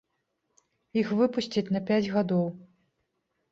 Іх выпусцяць на пяць гадоў.